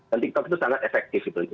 dan tiktok itu sangat efektif